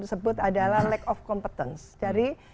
tersebut adalah lack of competence dari